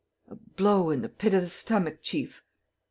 "A blow in the pit of the stomach, chief.